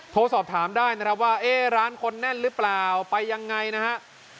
โทรสอบถามได้นะครับว่าเอ๊ะร้านคนแน่นหรือเปล่าไปยังไงนะฮะ